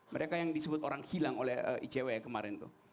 mereka yang disebut orang hilang oleh icw kemarin tuh